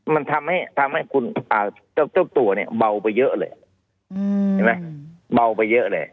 มันทำให้เจ้าตัวเบาไปเยอะเลย